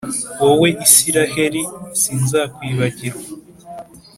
wowe israheli, sinzakwibagirwa.